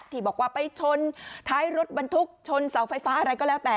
ที่บอกว่าไปชนท้ายรถบรรทุกชนเสาไฟฟ้าอะไรก็แล้วแต่